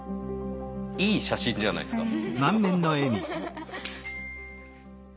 いい写真じゃないですか。